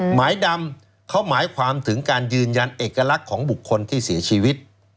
หมายดำเขาหมายความถึงการยืนยันเอกลักษณ์ของบุคคลที่เสียชีวิต